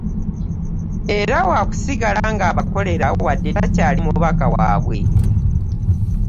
Era wa kusigala ng'abakolera wadde tekyali mubaka waabwe.